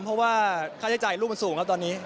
เพราะว่าค่าใช้จ่ายลูกมันสูงครับตอนนี้